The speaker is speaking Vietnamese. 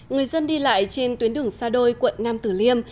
người dân đi lại trên tuyến đường sa đôi quận nam tử liêm